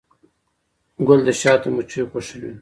ګل د شاتو مچیو خوښ وي.